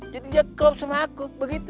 jadi dia klop sama aku begitu